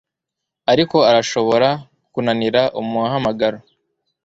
Ariko arashobora kunanira umuhamagaro